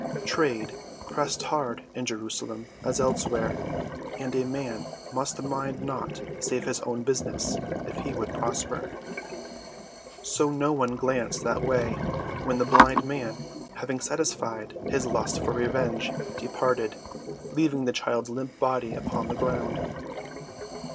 Trade pressed hard in Jerusalem as elsewhere, and a man must mind naught save his own business if he would prosper. So no one glanced that way when the blind man, having satisfied his lust for revenge, departed, leaving the child's limp body upon the ground.